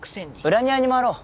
裏庭に回ろう。